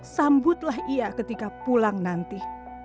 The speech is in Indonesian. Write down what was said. sambutlah ia ketika pulang nanti